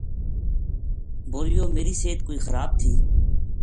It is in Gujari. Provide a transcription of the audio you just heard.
بولیو میری صحت کوئی خراب تھی۔